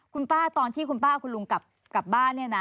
คุณป้าตอนที่คุณป้าเอาคุณลุงกลับบ้าน